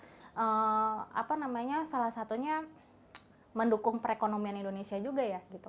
jadi apa namanya salah satunya mendukung perekonomian indonesia juga ya